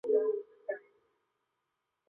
怎么作？